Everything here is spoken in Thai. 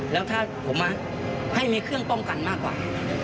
แล้วถ้าผมให้มีเครื่องป้องกันมากกว่า